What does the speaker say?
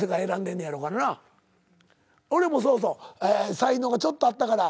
才能がちょっとあったから